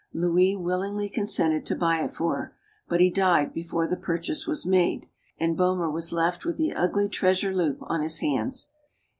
Louis willingly consented to buy it for her; but he died before the purchase was made, and Boehmer was left with the ugly treasure loop on his hands.